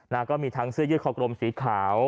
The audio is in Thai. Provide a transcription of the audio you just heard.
นะฮะก็มีทั้งเสื้อยืดข้อกรมสีขาว